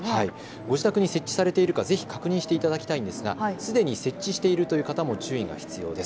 ご自宅に設置されているかぜひ確認していただきたいですがすでに設置している方も注意が必要です。